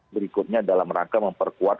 berikutnya dalam rangka memperkuat